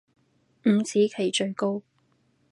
五子棋最高